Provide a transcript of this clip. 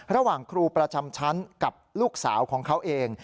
ระหว่างครูประจำชั้นกับลูกสาวของเขาเอง